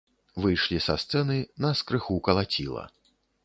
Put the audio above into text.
Выйшлі са сцэны, нас крыху калаціла.